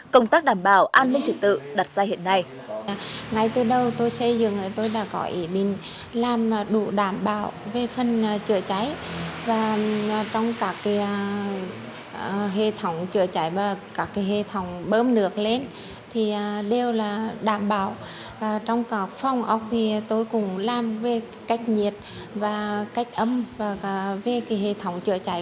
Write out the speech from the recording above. công tác đảm bảo an ninh trị tự đặt ra hiện nay